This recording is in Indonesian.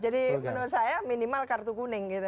jadi menurut saya minimal kartu kuning gitu ya